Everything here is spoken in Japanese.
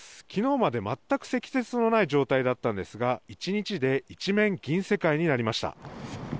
昨日まで全く積雪のない状態だったんですが１日で一面銀世界になりました。